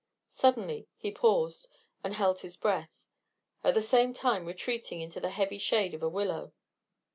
Suddenly he paused and held his breath, at the same time retreating into the heavy shade of a willow.